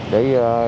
và tổ chức